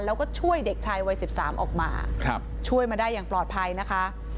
แล้วก็ช่วยเด็กชายวัย๑๓ออกมาช่วยมาได้อย่างปลอดภัยนะคะ